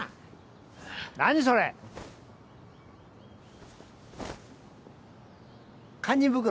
何それ堪忍袋？